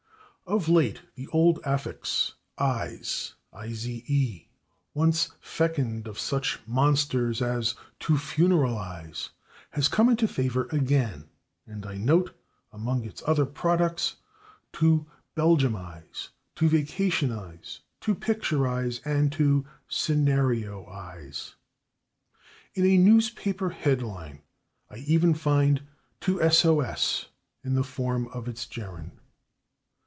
Of late the old affix / ize/, once fecund of such monsters as /to funeralize/, has come into favor again, and I note, among its other products, /to belgiumize/, /to vacationize/, /to picturize/ and /to scenarioize/. In a newspaper headline I even find /to s o s/, in the form of its gerund.